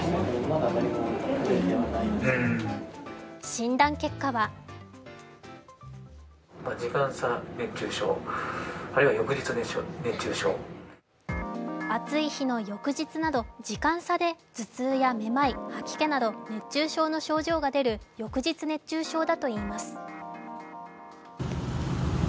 診断結果は暑い日の翌日など、時間差で頭痛やめまい、吐き気など熱中症の症状が出る翌日熱中症だといいます。